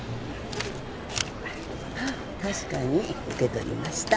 確かに受け取りました。